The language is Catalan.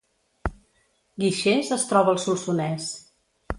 Guixers es troba al Solsonès